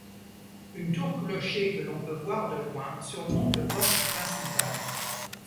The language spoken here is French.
Une tour-clocher que l’on peut voir de loin, surmonte le porche principal.